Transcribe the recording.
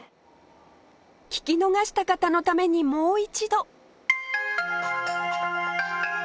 聞き逃した方のためにもう一度